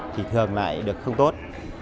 thì thường lại được không tốt